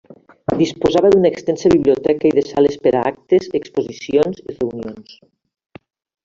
Disposava d'una extensa biblioteca i de sales per a actes, exposicions i reunions.